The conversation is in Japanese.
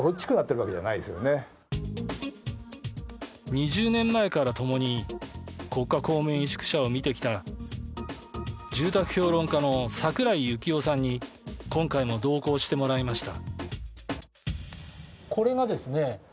２０年前からともに国家公務員宿舎を見てきた住宅評論家の櫻井幸雄さんに今回も同行してもらいました。